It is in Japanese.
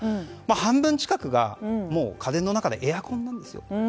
半分近くが家電の中でエアコンですよと。